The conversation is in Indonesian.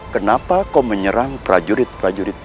kenapa kau menyerang prajurit prajurit